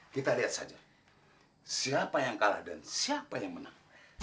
kita lihat saja siapa yang kalah dan siapa yang menang